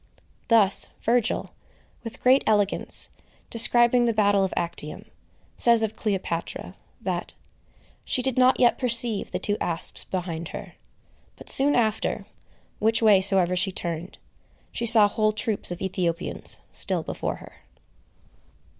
Thus Virgil, with great elegance, describing the battle of Actium, says of Cleopatra, that "she did not yet perceive the two asps behind her;" but soon after, which way soever she turned, she saw whole troops of Ethiopians still before her.